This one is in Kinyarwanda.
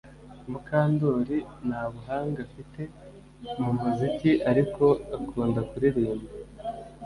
Mukandoli nta buhanga afite mu muziki ariko akunda kuririmba